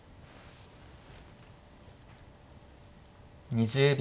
２０秒。